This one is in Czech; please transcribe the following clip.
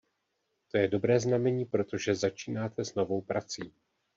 To je dobré znamení, protože začínáte s novou prací.